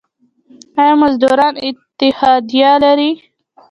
آیا مزدوران اتحادیه لري؟